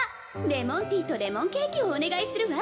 レモンティーとレモンケーキをお願いするわ